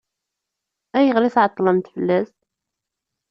Ayɣer i tɛeṭṭlemt fell-as?